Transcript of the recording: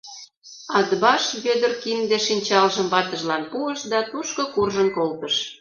Атбаш Вӧдыр кинде-шинчалжым ватыжлан пуыш да тушко куржын колтыш.